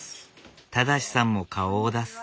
正さんも顔を出す。